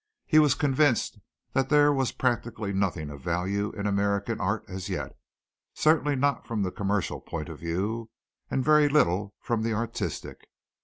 He was convinced that there was practically nothing of value in American art as yet certainly not from the commercial point of view, and very little from the artistic.